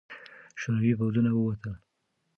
شوروي پوځونه ووته.